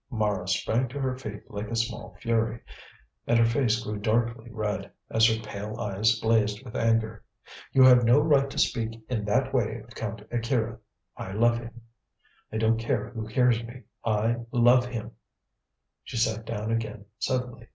Mara sprang to her feet like a small fury, and her face grew darkly red, as her pale eyes blazed with anger. "You have no right to speak in that way of Count Akira. I love him; I don't care who hears me. I love him!" She sat down again suddenly.